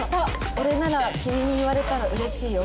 「俺なら君に言われたら嬉しいよ。